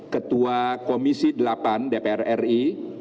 ketua komisi delapan dpr ri